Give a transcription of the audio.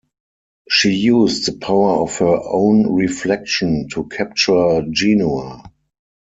She used the power of her own reflection to capture Genua.